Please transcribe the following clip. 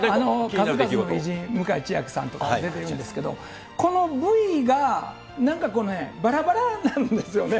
数々の偉人、向井千秋さんとか出ているんですけれども、このＶがなんかこうね、ばらばらなんですよね。